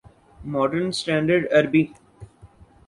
modern standard Arabi